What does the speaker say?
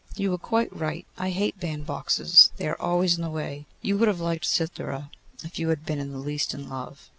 'You were quite right. I hate bandboxes: they are always in the way. You would have liked Cythera if you had been in the least in love.